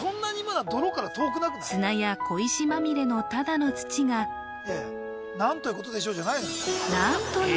砂や小石まみれのただの土がなんということでしょう